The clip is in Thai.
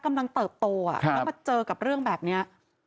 เติบโตแล้วมาเจอกับเรื่องแบบนี้